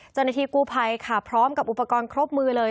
เจ้าหน้าที่กู้ภัยค่ะพร้อมกับอุปกรณ์ครบมือเลย